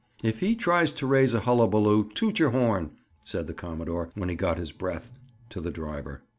"If he tries to raise a hullabaloo, toot your horn," said the commodore, when he got his breath, to the driver.